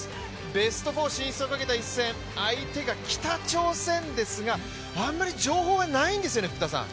ベスト４進出をかけた一戦、相手が北朝鮮ですが、あまり情報がないんですよね。